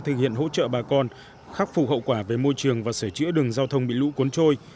thực hiện hỗ trợ bà con khắc phục hậu quả về môi trường và sửa chữa đường giao thông bị lũ cuốn trôi